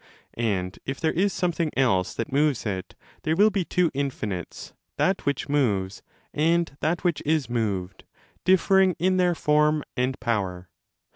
And if there is something else that moves it, there will be two infinites, that which moves and that which is moved, differing in their form and power.